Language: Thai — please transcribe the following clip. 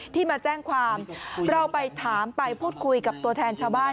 ที่มาแจ้งความเราไปถามไปพูดคุยกับตัวแทนชาวบ้าน